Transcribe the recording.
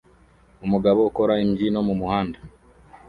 Umugabo ukora imbyino mumuhanda